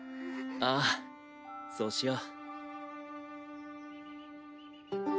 ああそうしよう。